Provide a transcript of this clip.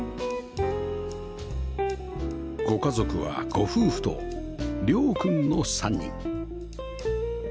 ご家族はご夫婦と涼くんの３人